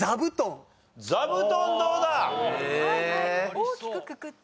大きくくくって。